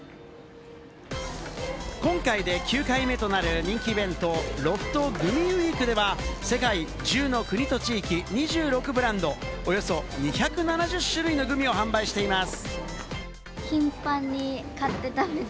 今回で９回目となる人気イベント、ロフトグミウィークデーは世界１０の国と地域、２６ブランド、およそ２７０種類のグミを販売しています。